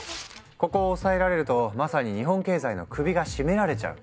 ここを押さえられるとまさに日本経済の首が絞められちゃう。